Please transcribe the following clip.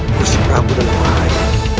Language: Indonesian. aku si prabu dalam air